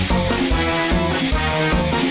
ขอบคุณมากค่ะมาแล้ว